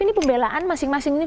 ini pembelaan masing masing